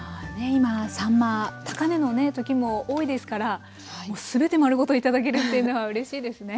今さんま高値の時も多いですからもう全て丸ごと頂けるっていうのはうれしいですね。